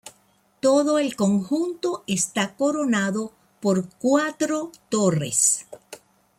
Todo el conjunto está coronado por cuatro torres.